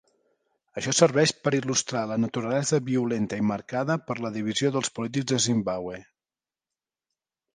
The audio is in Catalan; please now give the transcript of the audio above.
Això serveix per il·lustrar la naturalesa violenta i marcada per la divisió dels polítics de Zimbabwe.